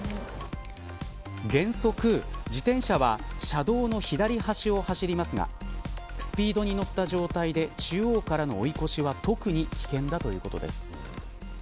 原則、自転車は車道の左端を走りますがスピードに乗った状態で中央からの追い越しは特に危険だということです。